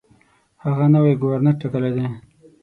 هغه نوی ګورنر ټاکلی دی.